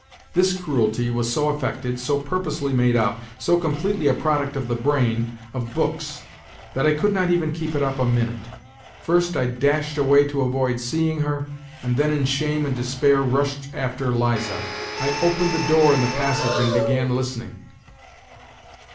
This cruelty was so affected, so purposely made up, so completely a product of the brain, of books, that I could not even keep it up a minute first I dashed away to avoid seeing her, and then in shame and despair rushed after Liza. I opened the door in the passage and began listening.